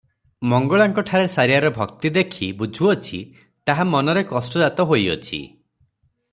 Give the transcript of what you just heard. ମଙ୍ଗଳାଙ୍କଠାରେ ସାରିଆର ଭକ୍ତି ଦେଖି ବୁଝୁଅଛି, ତାହା ମନରେ କଷ୍ଟ ଜାତ ହୋଇଅଛି ।